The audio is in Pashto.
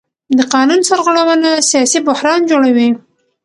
د قانون سرغړونه سیاسي بحران جوړوي